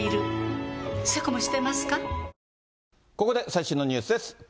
ここで最新のニュースです。